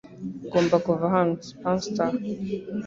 Ngomba kuva hano. (Spamster)